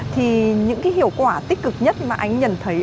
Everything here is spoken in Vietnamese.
thì những cái hiệu quả tích cực nhất mà anh nhận thấy